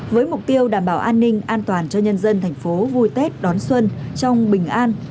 với mục tiêu đảm bảo an ninh an toàn cho nhân dân thành phố vui tết đón xuân trong bình an